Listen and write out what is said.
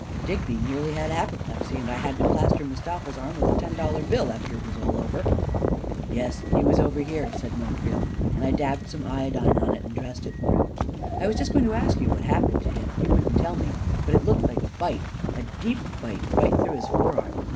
Digby nearly had apoplexy — and I had to plaster Mustafa's arm with a ten dollar bill, after it was all over." *77 *7& A KING IN BABYLON 44 Yes, he was over here," said Ma Creel, " and I dabbed some iodine on it and dressed it for him* I was just going to ask you what happened to him. He wouldn't tell me, but it looked like a bite — a deep bite right through his forearm."